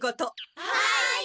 はい！